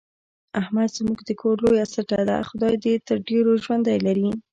احمد زموږ د کور لویه سټه ده، خدای دې تر ډېرو ژوندی لري.